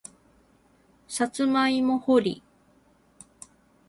さつまいも掘り